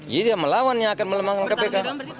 jadi melawannya akan melemahkan kpk